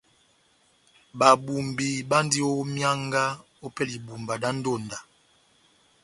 Babumbi bandini ó myánga ópɛlɛ ya ibumba dá ndonda.